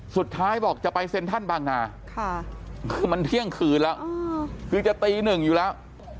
สุดท้ายบอกจะไปเซ็นทรัลบางนาคือมันเที่ยงคืนแล้วคือจะตีหนึ่งอยู่แล้ว